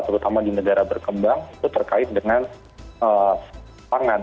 terutama di negara berkembang itu terkait dengan pangan